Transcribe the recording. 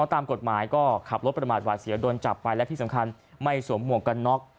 ตามกฎหมายก็ขับรถประมาทหวาดเสียวโดนจับไปและที่สำคัญไม่สวมหมวกกันน็อก